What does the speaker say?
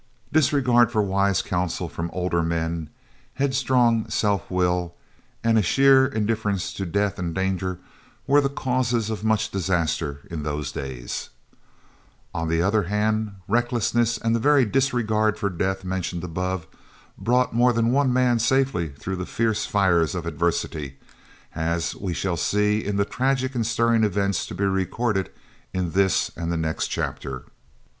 Disregard for wise counsel from older men, head strong self will, and a sheer indifference to death and danger were the causes of much disaster in those days. On the other hand, recklessness and the very disregard for death mentioned above brought more than one man safely through the fierce fires of adversity, as we shall see in the tragic and stirring events to be recorded in this and the next chapter.